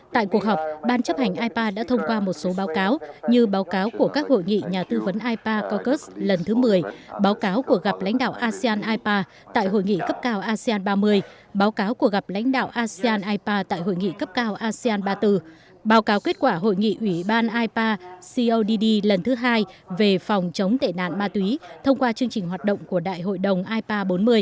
tại cuộc họp ban chấp hành ipa đã thông qua một số báo cáo như báo cáo của các hội nghị nhà tư vấn ipa caucus lần thứ một mươi báo cáo của gặp lãnh đạo asean ipa tại hội nghị cấp cao asean ba mươi báo cáo của gặp lãnh đạo asean ipa tại hội nghị cấp cao asean ba mươi bốn báo cáo kết quả hội nghị ủy ban ipa codd lần thứ hai về phòng chống tệ nạn ma túy thông qua chương trình hoạt động của đại hội đồng ipa bốn mươi